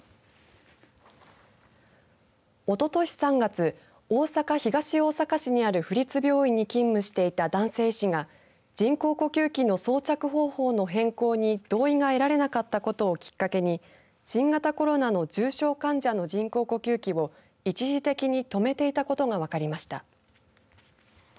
おととし３月大阪東大阪市にある府立病院に勤務していた男性医師が人工呼吸器の装着方法の変更に同意が得られなかったことをきっかけに新型コロナの重症患者の人工呼吸器を一時的に止めていたことが分かりました。